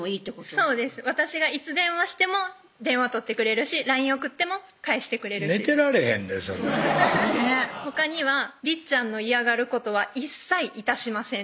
そうです私がいつ電話しても電話取ってくれるしＬＩＮＥ送っても返してくれるし寝てられへんでそんなんほかには「りっちゃんの嫌がることは一切致しません」